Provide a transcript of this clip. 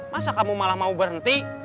masa kamu malah mau berhenti